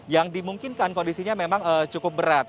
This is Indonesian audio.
yang dimungkinkan kondisinya memang cukup berat